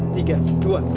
tiga dua satu